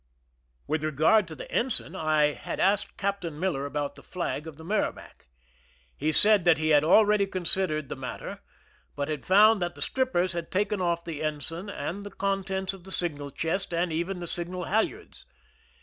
With regard to the ensign, I had asked Captain Miller about the flag of the Merrimac, He said that he had already considered the matter, but had found that the strippers had taken off the ensign and the contents of the signal chest, and even the signal halyards.